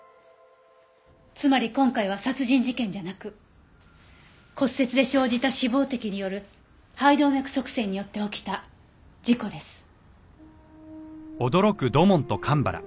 つまり今回は殺人事件じゃなく骨折で生じた脂肪滴による肺動脈塞栓によって起きた事故です。